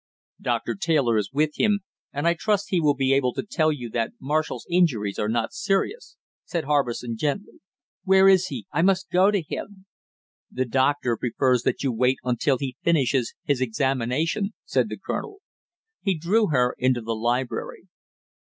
"Doctor Taylor is with him, and I trust he will be able to tell you that Marshall's injuries are not serious!" said Harbison gently. "Where is he? I must go to him " "The doctor prefers that you wait until he finishes his examination," said the colonel. He drew her into the library.